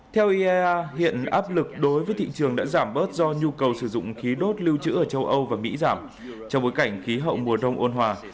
theo iea hiện áp lực đối với thị trường đã giảm bớt do nhu cầu sử dụng khí đốt lưu trữ ở châu âu và mỹ giảm trong bối cảnh khí hậu mùa đông ôn hòa